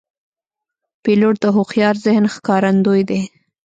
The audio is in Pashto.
پیلوټ د هوښیار ذهن ښکارندوی دی.